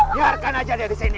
biarkan aja dia disini